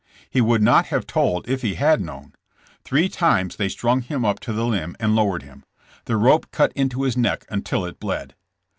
He would not have told if he had known. Three times they strung him up to the limb and lowered him. The rope cut into his neck until it bled.